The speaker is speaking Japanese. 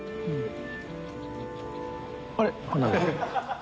あれ？